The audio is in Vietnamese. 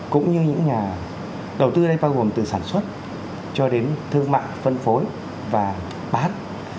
cũng như những nhà đầu tư đây bao gồm từ sản xuất cho đến thương mại phân phối và bán